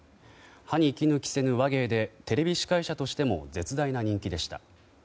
歯に衣着せぬ話芸でテレビ司会者としても絶大な人気でした。